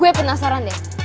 gue penasaran deh